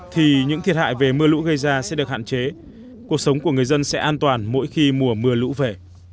thì những thiệt hại về mưa lũ gây ra sẽ được hạn chế cuộc sống của người dân sẽ an toàn mỗi khi mùa mưa lũ về